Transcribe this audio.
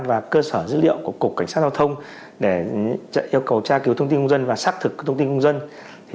và cơ sở dữ liệu của cục cảnh sát thông thông để yêu cầu tra kỹ thuật